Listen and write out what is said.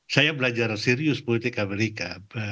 saya belajar serius politik amerika